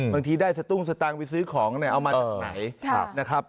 บางทีได้สตุ้งสตางค์ไปซื้อของเนี่ยเอามาจากไหนนะครับ